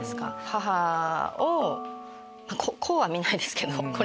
母をこうは見ないですけど。